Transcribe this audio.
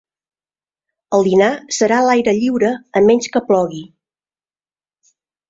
El dinar serà a l'aire lliure a menys que plogui.